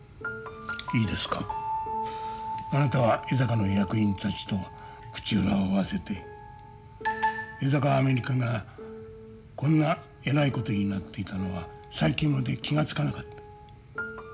いいですかあなたは江坂の役員たちと口裏を合わせて江坂アメリカがこんなえらいことになっていたのは最近まで気が付かなかった。